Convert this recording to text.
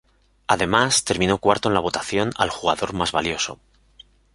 Además, terminó cuarto en la votación al "Jugador Más Valioso".